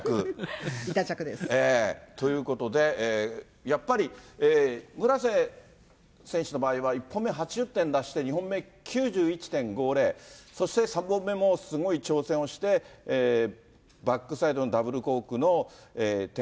ということで、やっぱり村瀬選手の場合は、１本目８０点出して、２本目、９１．５０、そして３本目もすごい挑戦をして、バックサイドのダブルコークの１０８０。